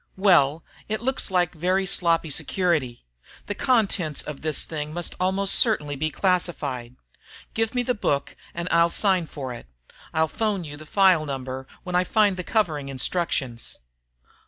"Well it looks like very sloppy security. The contents of this thing must almost certainly be classified. Give me the book and I'll sign for it. I'll phone you the file number when I find the covering instructions."